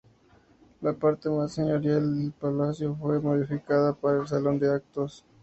La parte más señorial del Palacio, fue modificada para salón de actos.